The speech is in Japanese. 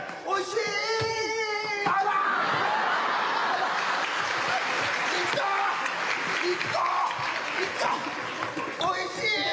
おいしい！